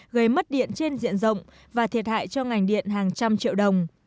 gây mất điện trên diện rộng và thiệt hại cho ngành điện hàng trăm triệu đồng